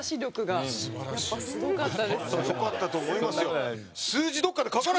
よかったと思いますよ。